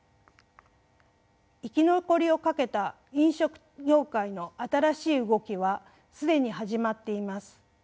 生き残りをかけた飲食業界の新しい動きは既に始まっています。